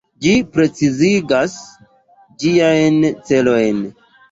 Ĝi precizigas ĝiajn celojn.